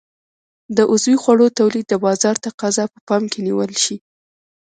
د عضوي خوړو تولید د بازار تقاضا په پام کې نیول شي.